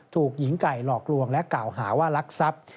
ถูกหญิงไก่หลอกลวงและกล่าวหาว่ารักทรัพย์